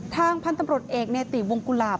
ทางพันธมรตเอกในติวงกุลาบ